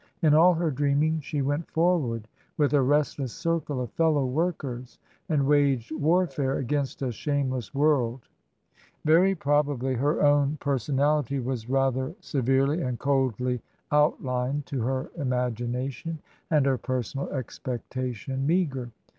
In all her dreaming she went forward with a restless circle of fellow workers, and waged warfare against a shameless world Very probably her own personality was rather severely and coldly outlined to her imagination, and her personal expectation meagre.